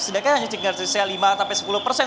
sedangkan hanya tinggal selesai lima sampai sepuluh persen